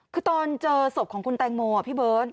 คือตอนเจอศพของคุณแตงโมพี่เบิร์ต